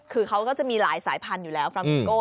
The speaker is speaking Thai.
คือเขาก็จะมีหลายสายพันธุ์อยู่แล้วฟรามิโก้